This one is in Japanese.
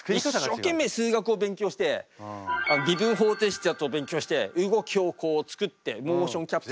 一生懸命数学を勉強して微分方程式ちゃんと勉強して動きをこう作ってモーションキャプチャーか何か。